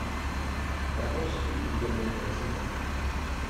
V Rakousku ji uděluje prezident.